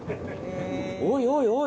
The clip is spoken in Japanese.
おいおいおい。